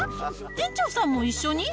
店長さんも一緒に？